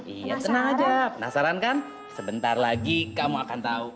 iya senang aja penasaran kan sebentar lagi kamu akan tahu